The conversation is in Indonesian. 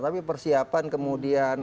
tapi persiapan kemudian